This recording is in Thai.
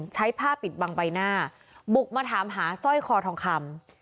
ผ้าปิดบังใบหน้าบุกมาถามหาสร้อยคอทองคำ